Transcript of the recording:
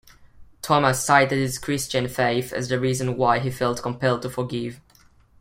Thomas cited his Christian faith as the reason why he felt compelled to forgive.